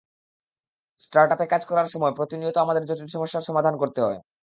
স্টার্টআপে কাজ করার সময় প্রতিনিয়ত আমাদের জটিল সমস্যার সমাধান করতে হয়।